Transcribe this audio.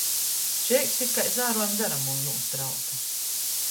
Čeikst, it kai dzāruojam dzaramū nūst rautu.